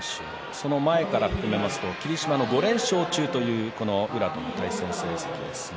その前から含めますと霧島の５連勝中という宇良との対戦成績ですが